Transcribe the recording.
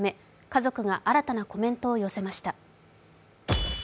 家族が新たなコメントを寄せました。